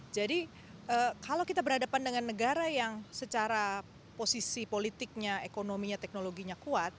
jadi kalau kita berhadapan dengan negara yang posisi politiknya ekonominya teknologinya kuat